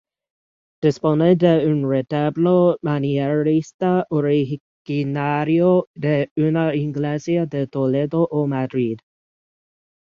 Dispone de un retablo manierista, originario de una iglesia de Toledo o Madrid.